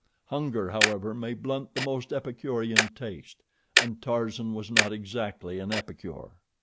Hunger, however, may blunt the most epicurean taste, and Tarzan was not exactly an epicure.